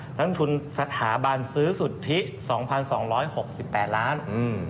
น้ำทุนสถาบันซื้อสุธิ๒๒๖๘ล้านบาท